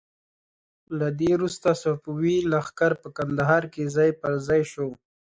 له دې وروسته صفوي لښکر په کندهار کې ځای په ځای شو.